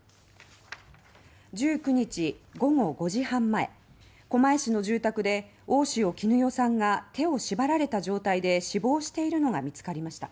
１９日午後５時半前狛江市の住宅で大塩衣與さんが手を縛られた状態で死亡しているのが見つかりました。